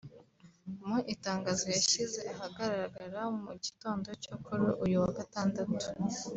Mu itangazo yashyize ahagaragara mu gitondo cyo kuri uyu wa Gatandatu